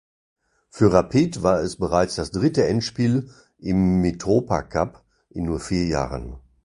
Für Rapid war es bereits das dritte Endspiel im Mitropacup in nur vier Jahren.